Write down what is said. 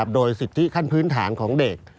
โดยสิทธิขั้นพื้นฐานของเด็ก